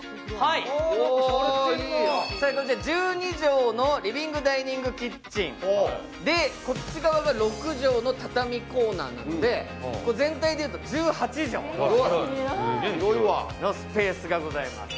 １２畳のリビングダイビングキッチンで、こちら側が６畳の畳コーナーなので全体で言うと１８畳のスペースがございます。